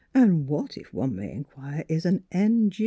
" And what, if one may inquire, is an ' n.